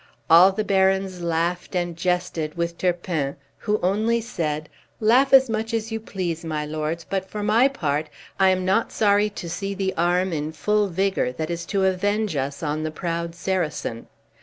All the barons laughed and jested with Turpin, who only said, "Laugh as much as you please, my lords; but for my part I am not sorry to see the arm in full vigor that is to avenge us on the proud Saracen."